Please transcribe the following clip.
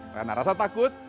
karena rasa takut